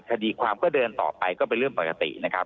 คดีความก็เดินต่อไปก็เป็นเรื่องปกตินะครับ